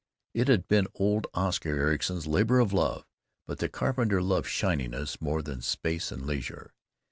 It had been old Oscar Ericson's labor of love, but the carpenter loved shininess more than space and leisure.